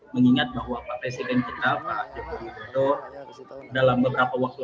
mengingat bahwa pak presiden kita pak jokowi jokowi